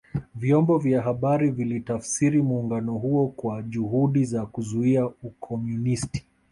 Vyombo vya habari vilitafsiri muungano huo kuwa juhudi za kuzuia Ukomunisti